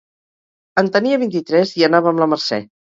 En tenia vint-i-tres i anava amb la Mercè.